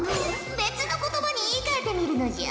別の言葉に言いかえてみるのじゃ！